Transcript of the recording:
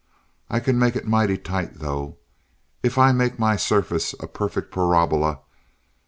I can make it mighty tight though, if I make my surface a perfect parabola.